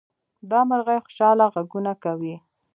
دا مرغۍ خوشحاله غږونه کوي.